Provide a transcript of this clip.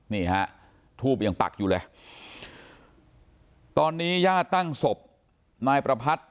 นี่ฮะทูบยังปักอยู่เลยตอนนี้ญาติตั้งศพนายประพัทธ์